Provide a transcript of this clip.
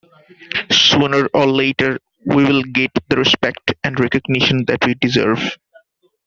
Sooner or later, we'll get the respect and recognition that we deserve.